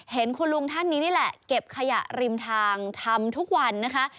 เห็นคุณลุงท่านนี้นี่แหละเก็บขยะริมทางทำทุกวันนะคะ